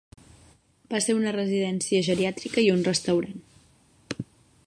Va ser una residència geriàtrica i un restaurant.